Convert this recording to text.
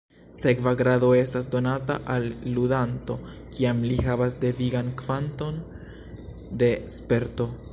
Sekva grado estas donata al ludanto kiam li havas devigan kvanton de "sperto".